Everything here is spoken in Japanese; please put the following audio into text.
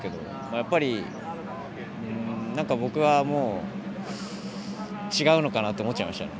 やっぱり僕はもう違うのかなと思っちゃいましたね